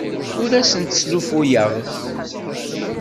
Ur asent-sslufuyeɣ.